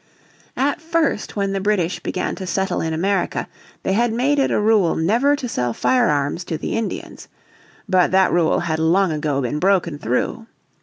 At first when the British began to settle in America they had made it a rule never to sell firearms to the Indians. But that rule had long ago been broken through.